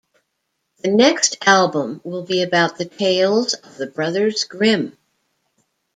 The next album will be about the tales of the brothers Grimm.